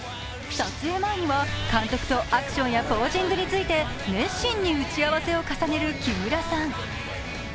撮影前には、監督とアクションやポージングについて熱心に打ち合わせを重ねる木村さん。